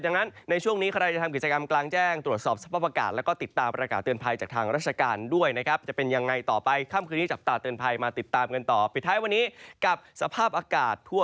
จากงั้นในช่วงนี้ครับใครจะทำกิจกรรมกลางแจ้งตรวจสอบสภาพอากาศ